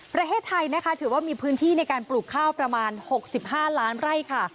ประเทศไทยนะคะถือว่ามีพื้นที่ในการปลูกข้าวประมาณ๖๕ล้านไร่ค่ะ